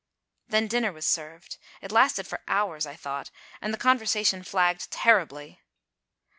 Then dinner was served. It lasted for hours I thought, and the conversation flagged terribly.